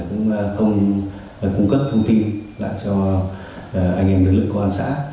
cũng không cung cấp thông tin lại cho anh em lực lượng công an xã